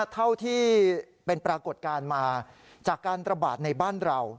เท่าที่เป็นปรากฏการณ์มาจากการระบาดในบ้านเรา